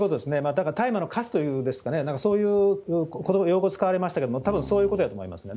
だから大麻のかすというんですかね、なんかそういう用語使われましたけど、たぶんそういうことだと思いますね。